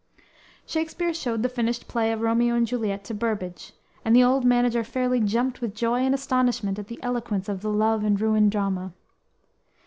Shakspere showed the finished play of "Romeo and Juliet" to Burbage, and the old manager fairly jumped with joy and astonishment at the eloquence of the love and ruin drama.